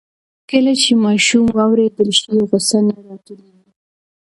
کله چې ماشوم واورېدل شي, غوسه نه راټولېږي.